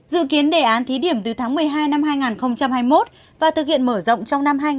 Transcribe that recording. dự kiến đề án thí điểm từ tháng một mươi hai năm hai nghìn hai mươi một và thực hiện mở rộng trong năm hai nghìn hai mươi